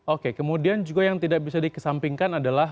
oke kemudian juga yang tidak bisa dikesampingkan adalah